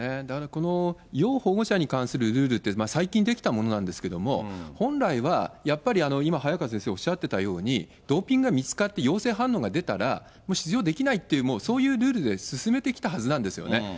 だからこの要保護者に関するルールって最近できたものなんですけれども、本来はやっぱり今、早川先生おっしゃってたように、ドーピングが見つかって陽性反応が出たら、もう出場できないっていう、そういうルールで進めてきたはずなんですよね。